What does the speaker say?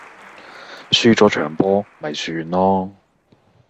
輸左場波咪算囉